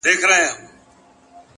پوه انسان له حقیقت سره مینه لري.